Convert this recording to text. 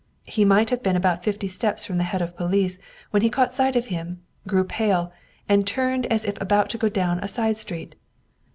He might have been about fifty steps from the head of police when he caught sight of him, grew pale, and turned as if about to go down a side street.